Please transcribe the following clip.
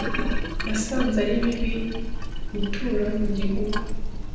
Yasanze ari bibi gutura mu gihugu.